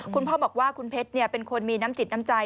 คุณพ่อบอกว่าคุณเพชรเป็นคนมีน้ำจิตน้ำใจ